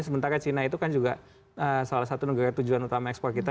sementara china itu kan juga salah satu negara tujuan utama ekspor kita